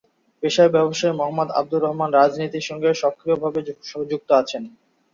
পেশার ব্যবসায়ী মো: আব্দুর রহমান রাজনীতির সঙ্গে সক্রিয় ভাবে যুক্ত আছেন।